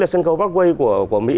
là sân khấu broadway của mỹ